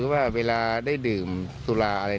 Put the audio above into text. ทีมข่าวเราก็พยายามสอบปากคำในแหบนะครับ